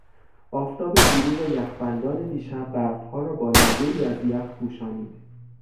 آفتاب دیروز و یخبندان دیشب برفها را با لایهای از یخ پوشانید.